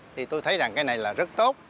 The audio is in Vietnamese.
thì tôi thấy rằng cái này là rất tốt